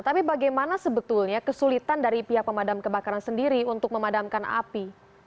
tapi bagaimana sebetulnya kesulitan dari pihak pemadam kebakaran sendiri untuk memadamkan api